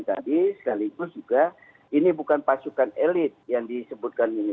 jadi sekaligus juga ini bukan pasukan elit yang disebutkan ini